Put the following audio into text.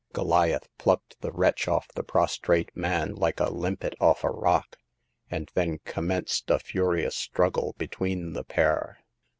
Goliath plucked the wretch off the prostrate man like a limpet off a rock ; and then com menced a furious struggle between the pair.